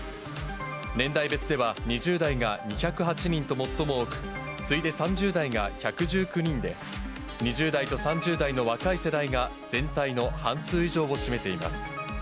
年代別では、２０代が２０８人と最も多く、次いで３０代が１１９人で、２０代と３０代の若い世代が全体の半数以上を占めています。